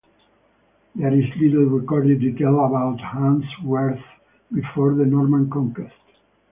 There is little recorded detail about Handsworth before the Norman Conquest.